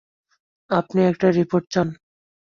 আপনি একটা রিপোর্ট চান।